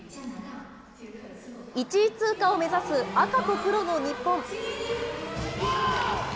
１位通過を目指す赤と黒の日本。